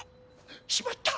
しまった！